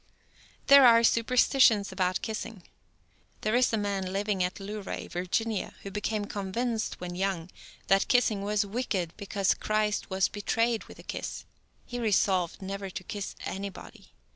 There are superstitions about kissing. There is a man living at Luray, Virginia, who became convinced when young that kissing was wicked because Christ was betrayed with a kiss. He resolved never to kiss anybody.